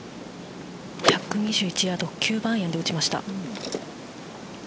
１２１ヤード９番アイアンで打ちました。